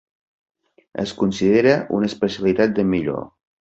Es considera una especialitat de Millau.